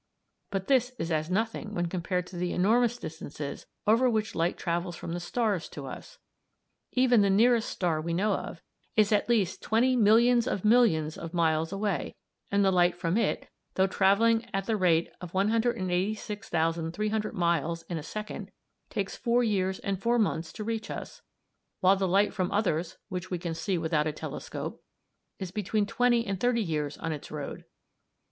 But this is as nothing when compared to the enormous distances over which light travels from the stars to us. Even the nearest star we know of, is at least twenty millions of millions of miles away, and the light from it, though travelling at the rate of 186,300 miles in a second, takes four years and four months to reach us, while the light from others, which we can see without a telescope, is between twenty and thirty years on its road.